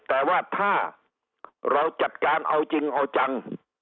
แต่ว่าถ้าเราจัดการเอาจริงเอาจัง